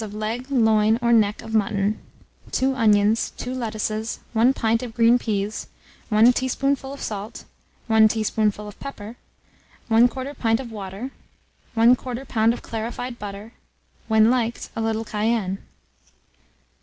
of leg, loin, or neck of mutton, 2 onions, 2 lettuces, 1 pint of green peas, 1 teaspoonful of salt, 1 teaspoonful of pepper, 1/4 pint of water, 1/4 lb. of clarified butter; when liked, a little cayenne.